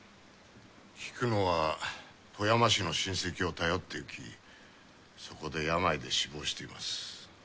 菊乃は富山市の親戚を頼って行きそこで病で死亡しています。